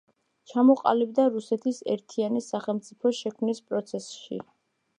ჩამოყალიბდა რუსეთის ერთიანი სახელმწიფოს შექმნის პროცესში.